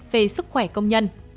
về sức khỏe công nhân